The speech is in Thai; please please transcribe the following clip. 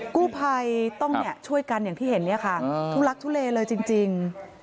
กู้ภัยต้องช่วยกันอย่างที่เห็นเนี่ยค่ะทุลักทุเลเลยจริง